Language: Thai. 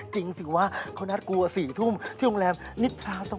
จริงสิว่าเขานัดกูกับสี่ทุ่มที่โรงแรมนิทราสวรรค์